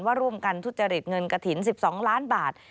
ร่วมกันทุจริตเงินกระถิ่น๑๒ล้านบาท